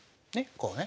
こうね。